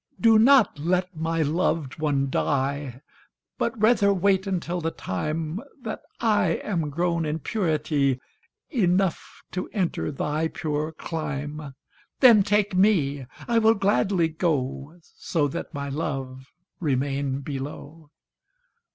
do not let my loved one die, But rather wait until the time That I am grown in purity Enough to enter thy pure clime Then take me, I will gladly go, So that my love remain below!